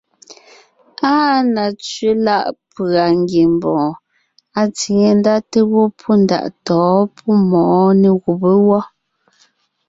Áa na tsẅé láʼ pʉ̀a ngiembɔɔn atsìŋe ndá té gwɔ́ pɔ́ ndaʼ tɔ̌ɔn pɔ́ mɔ̌ɔn nê gùbé wɔ́.